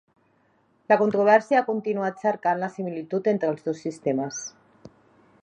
La controvèrsia ha continuat cercant la similitud entre els dos sistemes.